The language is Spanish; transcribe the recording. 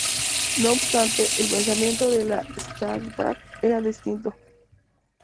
No obstante, el pensamiento de la Stavka era distinto.